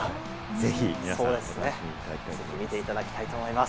ぜひ皆さん、お楽しみいただきたいと思います。